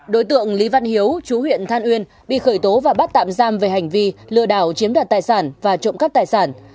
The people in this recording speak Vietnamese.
đối tượng lý văn hiếu chú huyện than uyên bị khởi tố và bắt tạm giam về hành vi lừa đảo chiếm đoạt tài sản và trộm cắp tài sản